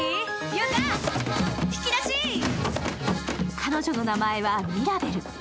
彼女の名前はミラベル。